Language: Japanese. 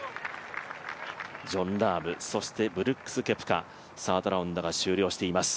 ジョン・ラーム、そしてブルックス・ケプカ、サードラウンドが終了しています。